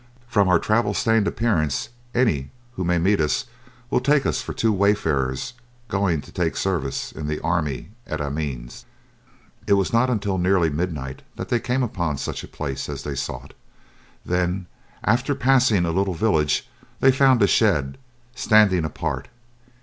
From our travel stained appearance any who may meet us will take us for two wayfarers going to take service in the army at Amiens." It was not until nearly midnight that they came upon such a place as they sought, then after passing a little village they found a shed standing apart.